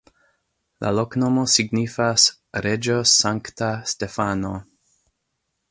La loknomo signifas: reĝo-sankta-Stefano.